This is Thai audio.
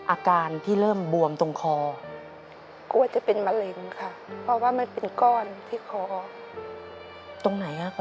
อาการที่เริ่มบวมตรงคอ